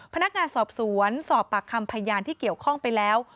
พนักงานสอบสวนสอบปากคำพยานที่เกี่ยวข้องไปแล้ว